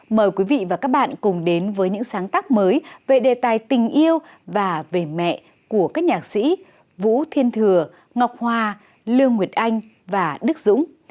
mời quý vị và các bạn cùng đến với những sáng tác mới về đề tài tình yêu và về mẹ của các nhạc sĩ vũ thiên thừa ngọc hòa lương nguyệt anh và đức dũng